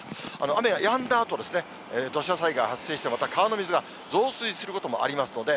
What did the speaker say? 雨がやんだあと、土砂災害発生して、また川の水が増水することもありますので、